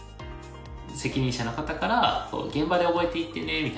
責任者の方から「現場で覚えていってね」みたいな。